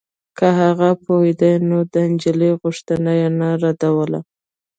که هغه پوهېدای نو د نجلۍ غوښتنه يې نه ردوله.